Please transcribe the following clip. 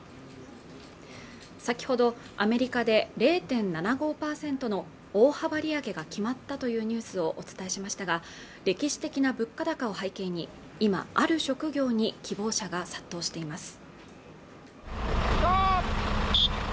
先ほどアメリカで０．７５％の大幅利上げが決まったというニュースをお伝えしましたが歴史的な物価高を背景に今ある職業に希望者が殺到しています